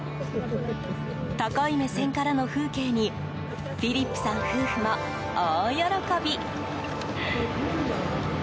高い目線からの風景にフィリップさん夫婦も大喜び。